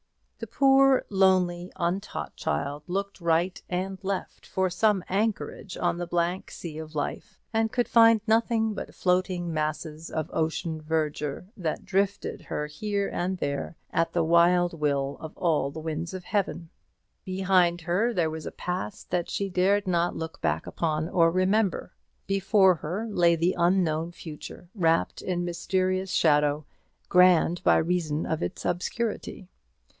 The poor lonely untaught child looked right and left for some anchorage on the blank sea of life, and could find nothing but floating masses of ocean verdure, that drifted her here and there at the wild will of all the winds of heaven. Behind her there was a past that she dared not look back upon or remember; before her lay the unknown future, wrapped in mysterious shadow, grand by reason of its obscurity.